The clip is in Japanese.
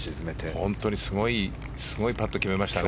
本当にすごいパットを決めましたね。